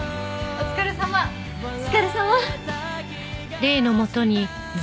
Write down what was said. お疲れさま！